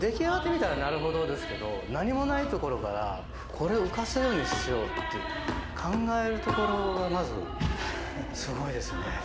できあがってみたらなるほどですけど何もないところからこれを浮かすようにしようと考えたのがまずすごいですね。